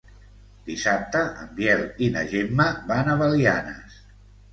Dissabte en Biel i na Gemma van a Belianes.